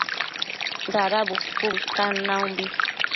Dada bushcu bëtan naumbi